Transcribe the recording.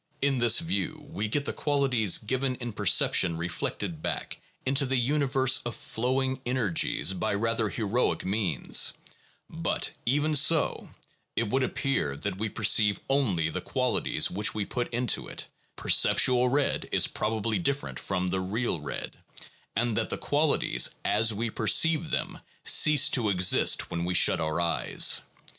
In this view we get No. 4.] RELATION OF CONSCIOUSNESS AND OBJECT. \2\ the qualities given in perception reflected back into the universe of flowing energies by rather heroic means; but even so, it would appear that we perceive only the qualities which we put into it — perceptual red is probably different from the real red — and that the qualities, as we perceive them, cease to exist when we shut our eyes.